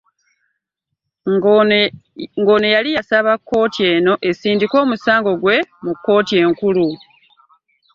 Nga ono yali yasaba kkooti eno esindike omusango gwe mu kkooti enkulu.